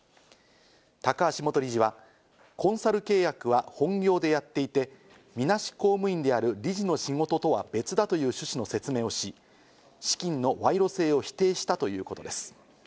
高橋元理事は、コンサル契約は本業でやっていて、みなし公務員である理事の仕事とは別だという趣旨の説明をし、資金の賄賂性を否定したということです。